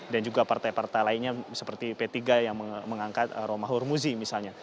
dan juga partai partai lainnya seperti p tiga yang mengangkat romah hormuzi misalnya